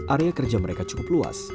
area kerja mereka cukup luas